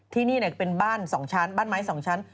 ที่นี่เป็นบ้าน๒ชั้นบ้านไม้๒ชั้น